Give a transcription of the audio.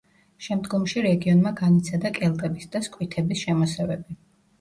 შემდგომში რეგიონმა განიცადა კელტების და სკვითების შემოსევები.